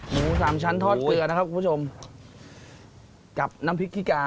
หมูสามชั้นทอดเกลือกับน้ำพริกขี้กา